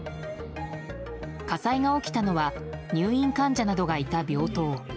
火災が起きたのは入院患者などがいた病棟。